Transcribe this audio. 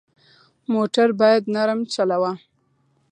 موټر باید نرم چلوه.